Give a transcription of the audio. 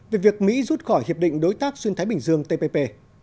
về việc mỹ rút khỏi hiệp định đối tác xuyên thái bình dương tpp